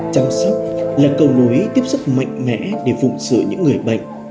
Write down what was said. chăm sóc là cầu nối tiếp sức mạnh mẽ để phụng sự những người bệnh